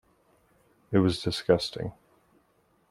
It was disgusting.